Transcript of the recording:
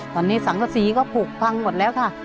ตอนนี้สังกษีก็ผูกพังหมดแล้วค่ะ